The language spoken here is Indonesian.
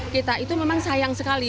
kita itu memang sayang sekali